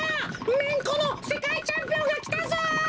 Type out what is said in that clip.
めんこのせかいチャンピオンがきたぞ！